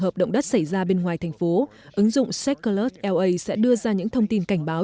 hợp động đất xảy ra bên ngoài thành phố ứng dụng secular la sẽ đưa ra những thông tin cảnh báo